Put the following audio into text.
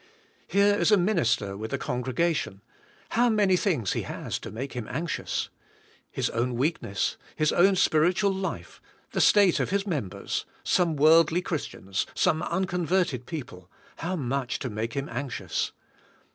Here is a minister with a congregation, how many things hehastomake him anxious? His own weakness, his own spiritual life, the state of his members, some worldly Chris tians, some unconverted people — how much to make him anxious?